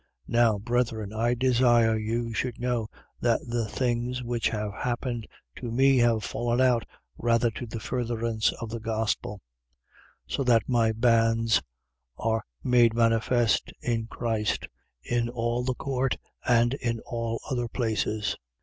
1:12. Now, brethren, I desire you should know that the things which have happened to me have fallen out rather to the furtherance of the gospel: 1:13. So that my bands are made manifest in Christ, in all the court and in all other places.